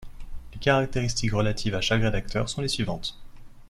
Les caractéristiques relatives à chaque réacteur sont les suivantes.